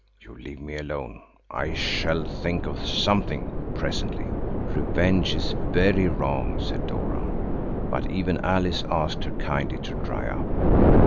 You leave me alone. I shall think of something presently." "Revenge is very wrong," said Dora; but even Alice asked her kindly to dry up.